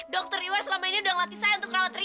dokter iwan selama ini sudah melatih saya untuk merawat riki